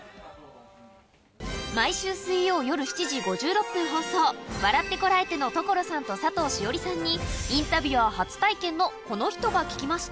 毎週水曜夜７時５６分放送、笑ってコラえて！の所さんと佐藤栞里さんに、インタビュアー初体験のこの人に聞きました。